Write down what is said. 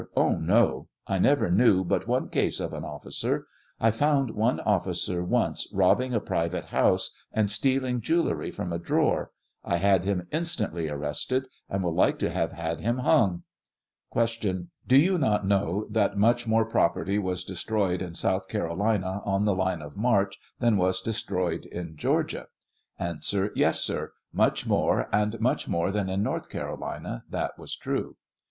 Oh, no ; I never knew but one case of an officer ; I found one officer once robbing a private house and stealing jewelry from a drawer ; I had him instantly arrested, and would like to have had him hung. Q. Do you not know that much more property was destroyed in South Carolina on the line of march than was destroyed in Georgia ? A. Yes, sir; much more, and much more than in North Carolina, that was true.